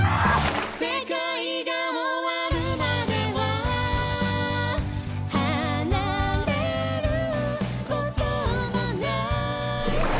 世界が終るまでは離れる事もない